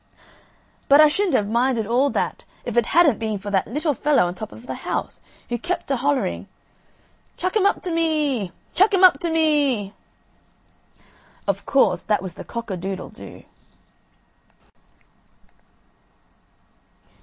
"But I shouldn't have minded all that if it hadn't been for that little fellow on top of the house, who kept a hollering, 'Chuck him up to me e! Chuck him up to me e!'" Of course that was the cock a doodle do.